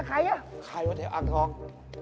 กี่ในแถวอ่างทอง